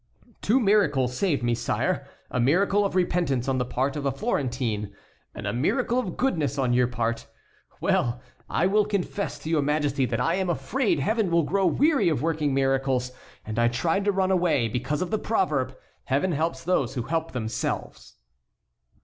"Two miracles saved me, sire. A miracle of repentance on the part of the Florentine, and a miracle of goodness on your part. Well! I will confess to your Majesty that I am afraid Heaven will grow weary of working miracles, and I tried to run away, because of the proverb: 'Heaven helps those who help themselves.'"